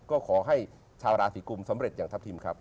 ก็ขอให้ชาวราศีกุมสำเร็จอย่างทัพทิมครับ